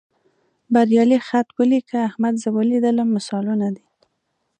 بریالي خط ولیکه، احمد زه ولیدلم مثالونه دي.